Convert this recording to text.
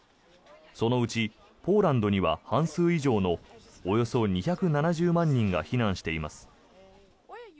そのうち、ポーランドには半数以上のおよそ２７０万人が避難しています。